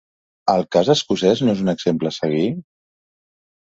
El cas escocès no és un exemple a seguir?